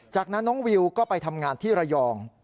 จากนั้นน้องวิวก็ไปทำงานที่ระยอง